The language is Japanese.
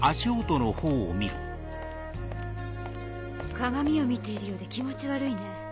鏡を見ているようで気持ち悪いね。